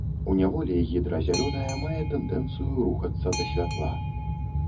У няволі гідра зялёная мае тэндэнцыю рухацца да святла.